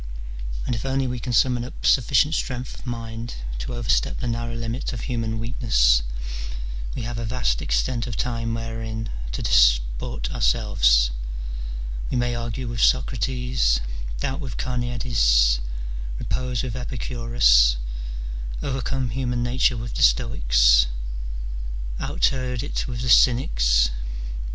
and, if only we can summon up sufficient strength of mind to overstep tlie narrow limit of human weakness, we have a vast extent of time wherein to disport ourselves : we may argue with Socrates, doubt with Carneades, repose with Epicurus, overcome human nature with the Stoics, out herod it with the Cynics.